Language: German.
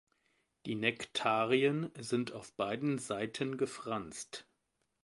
Die Nektarien sind auf beiden Seiten gefranst.